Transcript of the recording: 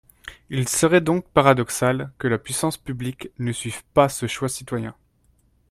Il serait donc paradoxal que la puissance publique ne suive pas ce choix citoyen.